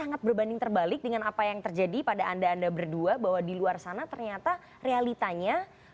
sangat berbanding terbalik dengan apa yang terjadi pada anda anda berdua bahwa di luar sana ternyata realitanya